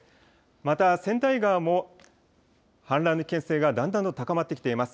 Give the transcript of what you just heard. また千代川も氾濫の危険性がだんだんと高まってきています。